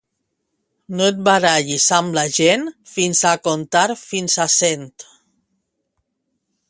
No et barallis amb la gent fins a comptar fins a cent.